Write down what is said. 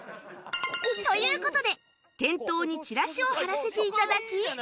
という事で店頭にチラシを貼らせて頂き